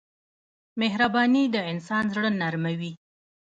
مهرباني د انسان زړه نرموي.